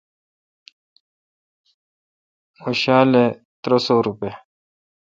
اوں شالہ ترہ سوروپے°